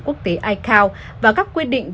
quốc tế icao và các quy định